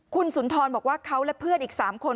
คุณสุนทรบอกว่าเขาและเพื่อนอีก๓คน